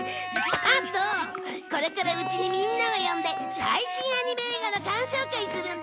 あとこれからうちにみんなを呼んで最新アニメ映画の鑑賞会するんだ！